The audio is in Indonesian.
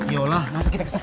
yolah masuk kita kesana